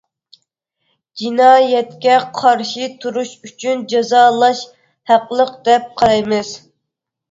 جىنايەتكە قارشى تۇرۇش ئۈچۈن جازالاش ھەقلىق، دەپ قارايمىز.